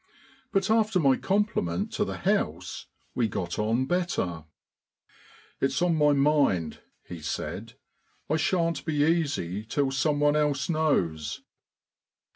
But after my compliment to the house we got on better. "It's on my mind," he said; "I shan't be easy till someone else knows."